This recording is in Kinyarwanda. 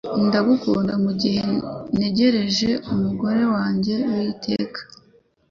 Ndagukunda mugihe ntegereje umugore wanjye w'iteka